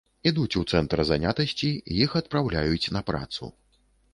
Ідуць у цэнтр занятасці, іх адпраўляюць на працу.